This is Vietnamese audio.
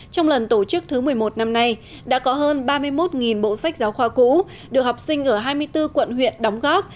trong lần tổ chức thứ một mươi một năm nay đã có hơn ba mươi một bộ sách giáo khoa cũ được học sinh ở hai mươi bốn quận huyện đóng góp